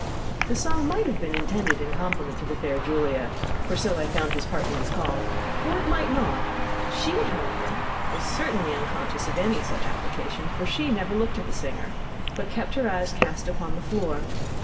The song might have been intended in compliment to the fair Julia, for so I found his partner was called, or it might not; she, however, was certainly unconscious of any such application, for she never looked at the singer, but kept her eyes cast upon the floor.